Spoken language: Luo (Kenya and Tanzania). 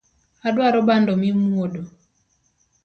Adwaro bando mimwodo